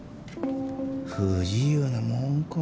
不自由なもんか。